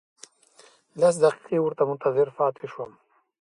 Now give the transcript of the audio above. لس دقیقې ورته منتظر پاتې شوم.